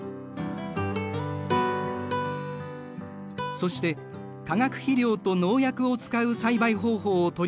そして化学肥料と農薬を使う栽培方法を取り入れた。